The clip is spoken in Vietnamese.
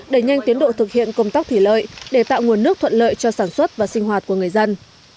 đẩy nhanh tiến độ thực hiện công tác thủy lợi để tạo nguồn nước thuận lợi cho sản xuất và sinh hoạt của người dân